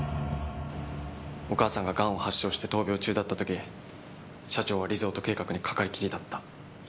お母さんががんを発症して闘病中だった時社長はリゾート計画にかかりきりだった。